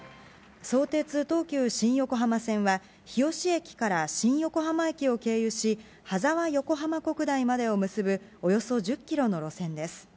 相鉄・東急新横浜線は、日吉駅から新横浜駅を経由し、羽沢横浜国大までを結ぶ、およそ１０キロの路線です。